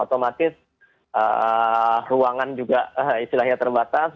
otomatis ruangan juga istilahnya terbatas